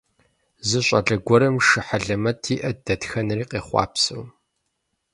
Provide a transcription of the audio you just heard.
Зы щӏалэ гуэрым шы хьэлэмэт иӏэт, дэтхэнэри къехъуапсэу.